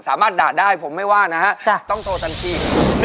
สามารถด่าได้ผมไม่ว่านะฮะต้องโทรทันที